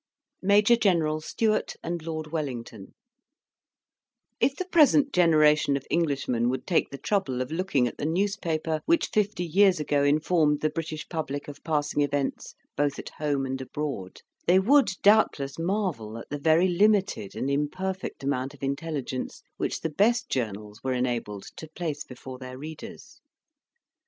MAJOR GENERAL STEWART AND LORD WELLINGTON If the present generation of Englishmen would take the trouble of looking at the newspaper which fifty years ago informed the British public of passing events both at home and abroad, they would, doubtless, marvel at the very limited and imperfect amount of intelligence which the best journals were enabled to place before their readers.